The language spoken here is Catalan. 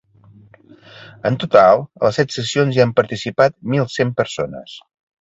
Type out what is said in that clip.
En total, a les set sessions hi han participat mil cent persones.